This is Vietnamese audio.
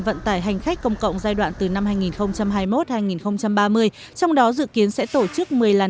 vận tải hành khách công cộng giai đoạn từ năm hai nghìn hai mươi một hai nghìn ba mươi trong đó dự kiến sẽ tổ chức một mươi làn